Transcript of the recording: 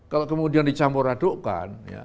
kalau kemudian dicampur adukkan